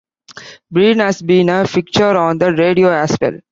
Breen has been a fixture on the radio as well.